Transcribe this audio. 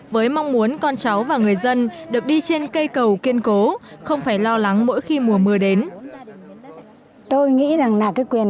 với mong muốn con cháu và người dân được đi trên cây cầu kiên cố không phải lo lắng mỗi khi mùa mưa đến